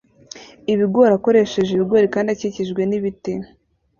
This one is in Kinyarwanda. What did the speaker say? ibigori akoresheje ibigori kandi akikijwe nibiti